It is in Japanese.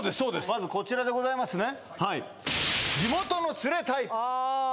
まずこちらでございますね